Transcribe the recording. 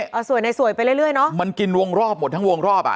เอาสวยในสวยไปเรื่อยเนอะมันกินวงรอบหมดทั้งวงรอบอ่ะ